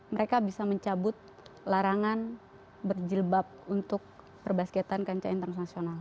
mereka bisa mencabut larangan berjilbab untuk perbasketan kancah internasional